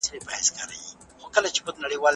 کارګه ږغ کړه چي طاووسه ته ښایسته یې